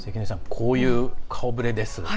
こういう顔ぶれです。